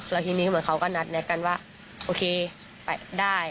แล้วทีนี้เหมือนเขาก็นัดแน็กกันว่าโอเคไปได้